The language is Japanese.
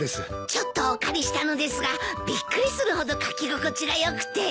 ちょっとお借りしたのですがびっくりするほど書き心地が良くて。